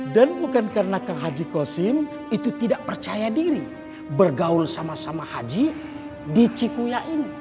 dan bukan karena kang haji gosim itu tidak percaya diri bergaul sama sama haji di cikuyang ini